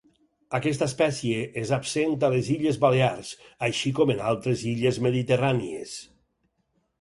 Aquesta espècie és absent a les Illes Balears, així com en altres illes mediterrànies.